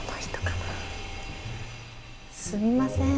すみません。